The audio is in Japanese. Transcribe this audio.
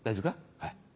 はい。